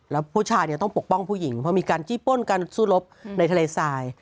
แล้วผู้ชายเนี่ยต้องปกป้องผู้หญิงเพราะมีการจี้ป้นการสู้รบในทะเลทราย